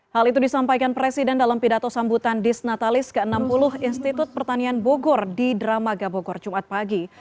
hal itu disampaikan presiden dalam pidato sambutan disnatalis ke enam puluh institut pertanian bogor di dramaga bogor jumat pagi